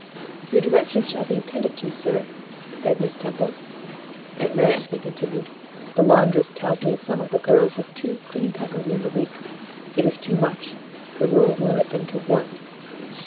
"Your directions shall be attended to, sir," said Miss Temple. "And, ma'am," he continued, "the laundress tells me some of the girls have two clean tuckers in the week: it is too much; the rules limit them to one."